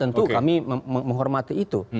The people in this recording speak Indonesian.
tentu kami menghormati itu